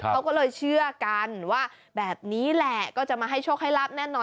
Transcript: เขาก็เลยเชื่อกันว่าแบบนี้แหละก็จะมาให้โชคให้ลาบแน่นอน